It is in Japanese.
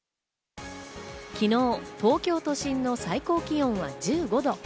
昨日、東京都心の最高気温は１５度。